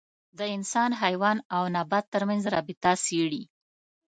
د انسان، حیوان او نبات تر منځ رابطه څېړي.